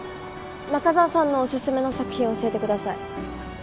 中沢さんのオススメの作品教えてください